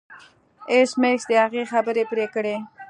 ایس میکس د هغې خبرې پرې کړې